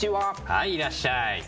はいいらっしゃい。